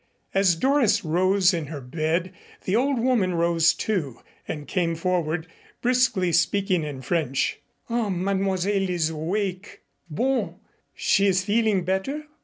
As Doris rose in her bed the old woman rose, too, and came forward briskly, speaking in French. "Ah, Mademoiselle is awake. Bon. She is feeling better?"